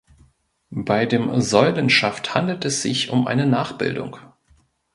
Bei dem Säulenschaft handelt es sich um eine Nachbildung.